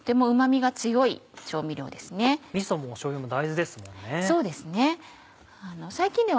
みそもしょうゆも大豆ですもんね。